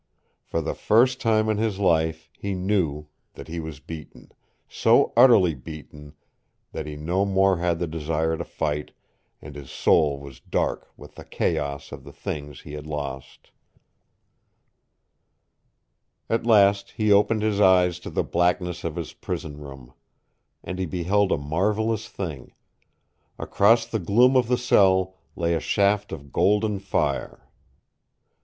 For the first time in his life he knew that he was beaten, so utterly beaten that he no more had the desire to fight, and his soul was dark with the chaos of the things he had lost. At last he opened his eyes to the blackness of his prison room, and he beheld a marvelous thing. Across the gloom of the cell lay a shaft of golden fire.